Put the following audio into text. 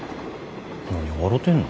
何笑てんの。